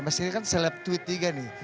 mas ini kan seleb tweet juga nih